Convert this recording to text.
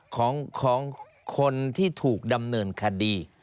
ของคนที่ถูกดำเนินคดี